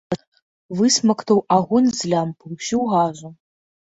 Высмактаў агонь з лямпы ўсю газу.